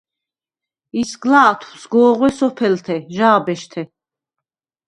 ისგლა̄თვ სგო̄ღვე სოფელთე, ჟა̄ბეშთე.